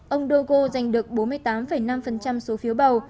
ông dogo giành được bốn mươi tám năm số phiếu bầu